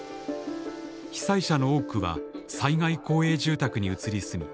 被災者の多くは災害公営住宅に移り住み